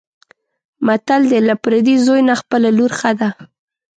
متل دی: له پردي زوی نه خپله لور ښه ده.